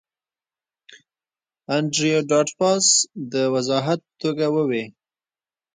انډریو ډاټ باس د وضاحت په توګه وویل